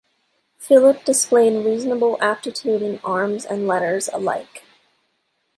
Philip displayed reasonable aptitude in arms and letters alike.